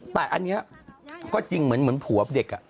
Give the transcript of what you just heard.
แต่อันนี้ก็จริงเหมือนผัวเด็ก